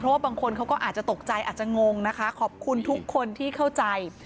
ว่าบางคนเขาก็อาจจะตกใจอาจจะงงนะคะขอบคุณทุกคนที่เข้าใจ